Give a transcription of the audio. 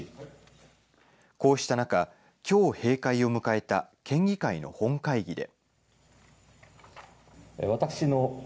こうした中きょう閉会を迎えた県議会の本会議で。